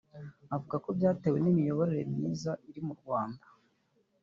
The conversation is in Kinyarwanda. avuga ko byatewe n’imiyoborere myiza iri mu Rwanda